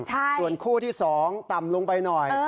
ส่วนคู่ที่๒ต่ำลงไปหน่อย